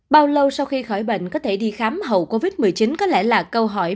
bao lâu sau khi khỏi bệnh có thể đi khám hậu covid một mươi chín có lẽ là câu hỏi